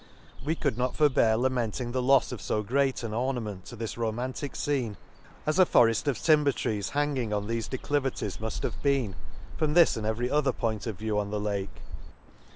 — We could not forbear la menting the lofs of fo great an ornament to this romantic fcene, as a forefl of timber trees hanging on thefe declivities muft have been, from this and every other point of view on the Lake.